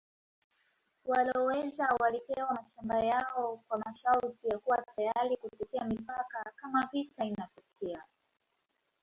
Walowezi walipewa mashamba yao kwa masharti ya kuwa tayari kutetea mipaka kama vita inatokea.